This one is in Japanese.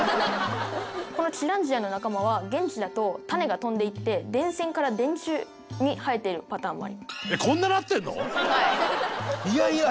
このチランジアの仲間は現地だと種が飛んでいって電線から電柱に生えているパターンもあります。